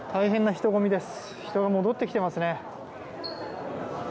人は戻ってきていますね。